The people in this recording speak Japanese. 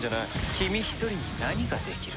君一人に何ができる？